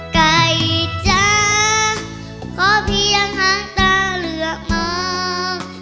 ใกล้จะขอเพียงห้างตาเลือกมอง